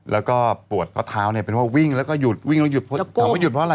แล้วก็ปวดเพราะเท้าเป็นว่าวิ่งแล้วก็หยุดถามว่าหยุดเพราะอะไร